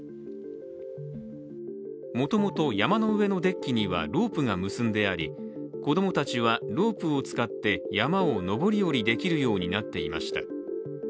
もともと山の上のデッキにはロープが結んであり、子供たちは、ロープを使って山を上り下りできるようになっていました。